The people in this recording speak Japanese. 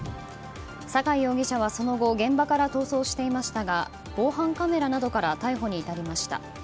酒井容疑者はその後現場から逃走していましたが防犯カメラなどから逮捕に至りました。